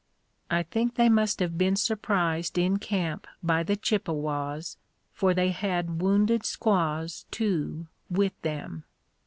I think they must have been surprised in camp by the Chippewas for they had wounded squaws, too, with them.